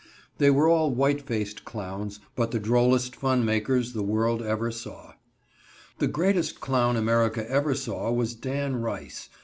They were all white faced clowns, but the drollest fun makers the world ever saw. The greatest clown America ever saw was Dan Rice.